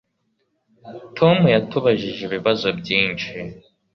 Tom yatubajije ibibazo byinshi